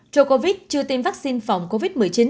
djigovic chưa tiêm vaccine phòng covid một mươi chín